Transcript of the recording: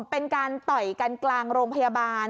เป็นการต่อยกันกลางโรงพยาบาล